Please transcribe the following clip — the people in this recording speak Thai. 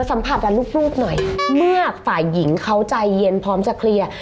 สัมผัสกับลูกหน่อยเมื่อฝ่ายหญิงเขาใจเย็นพร้อมจะเคลียร์